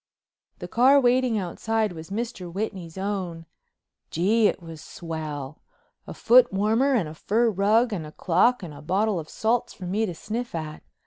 The car waiting outside was Mr. Whitney's own. Gee, it was swell! A footwarmer and a fur rug and a clock and a bottle of salts for me to sniff at.